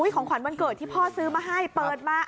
ของขวัญวันเกิดที่พ่อซื้อมาให้เปิดมา